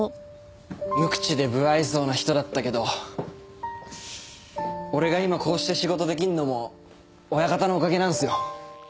無口で無愛想な人だったけど俺が今こうして仕事できるのも親方のおかげなんすよ。